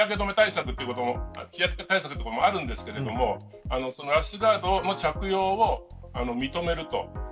日焼け対策ということもあるんですけれどもラッシュガードの着用を認めると。